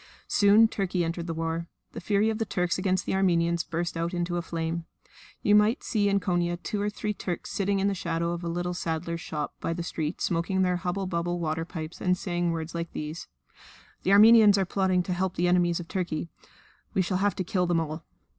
Soon Turkey entered the war. The fury of the Turks against the Armenians burst out into a flame. You might see in Konia two or three Turks sitting in the shadow of a little saddler's shop by the street smoking their hubble bubble water pipes, and saying words like these: "The Armenians are plotting to help the enemies of Turkey. We shall have to kill them all."